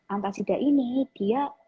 antasida ini dia